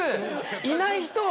いない人を？